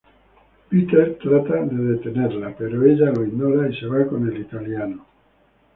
Peter trata de detenerla pero ella lo ignora y se va con el italiano.